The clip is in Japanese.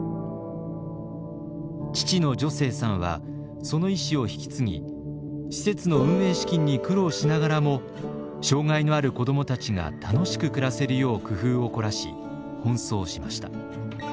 父の助成さんはその意思を引き継ぎ施設の運営資金に苦労しながらも障害のある子どもたちが楽しく暮らせるよう工夫を凝らし奔走しました。